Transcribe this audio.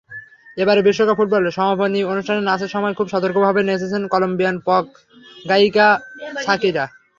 এবারের বিশ্বকাপ ফুটবলের সমাপনী অনুষ্ঠানের নাচের সময় খুব সতর্কভাবেই নেচেছেন কলম্বিয়ান পপগায়িকা শাকিরা।